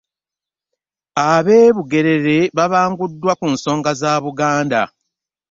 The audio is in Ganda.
Ab'e Bugerere babanguddwa ku nsonga za Buganda